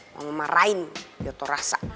mau ngemarain yoto rasa